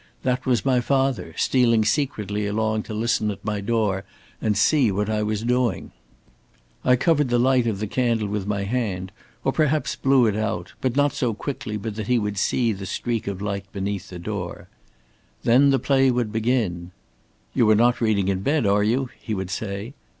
That was my father stealing secretly along to listen at my door and see what I was doing. I covered the light of the candle with my hand, or perhaps blew it out but not so quickly but that he would see the streak of light beneath the door. Then the play would begin. 'You are not reading in bed, are you?' he would say.